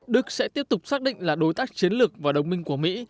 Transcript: đức sẽ tiếp tục xác định là đối tác chiến lược và đồng minh của mỹ